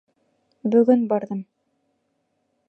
Бөгөн барҙым.